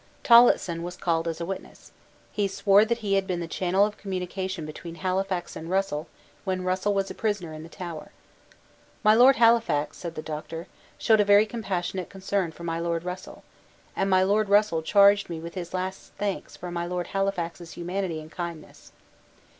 Tillotson was called as a witness. He swore that he had been the channel of communication between Halifax and Russell when Russell was a prisoner in the Tower. "My Lord Halifax," said the Doctor, "showed a very compassionate concern for my Lord Russell; and my Lord Russell charged me with his last thanks for my Lord Halifax's humanity and kindness."